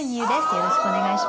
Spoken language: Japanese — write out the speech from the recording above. よろしくお願いします。